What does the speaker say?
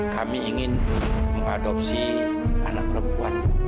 kami ingin mengadopsi anak perempuan